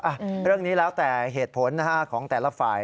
เรื่องนี้แล้วแต่เหตุผลนะฮะของแต่ละฝ่าย